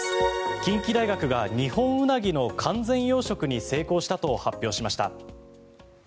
近畿大学がニホンウナギの完全養殖に成功したと発表しました。